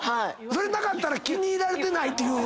それなかったら気に入られてないっていう。